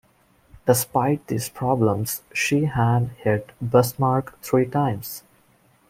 Despite these problems, she had hit "Bismarck" three times.